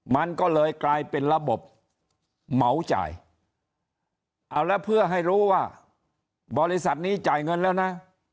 มันก็เลยกลายเป็นระบบเหมาจ่ายเอาแล้วเพื่อให้รู้ว่าบริษัทนี้จ่ายเงินแล้วนะ